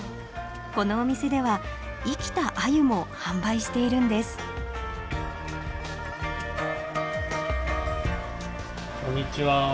このお店では生きたアユも販売しているんですこんにちは。